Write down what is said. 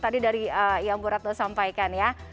tadi dari yang boratno sampaikan ya